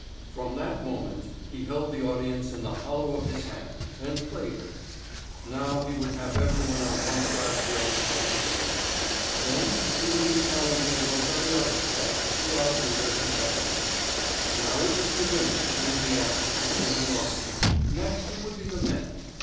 From that moment he held the audience in the hollow of his hand and played with it. Now he would have everyone on one side of the auditorium singing. Then he would be challenging those on the other side to outdo their competitors. Now it was the women who would be asked to sing alone. Next it would be the men.